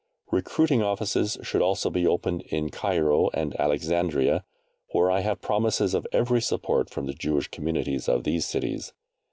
Recruiting offices should also be opened in Cairo and Alexandria, where I have promises of every support from the Jewish communities of these cities.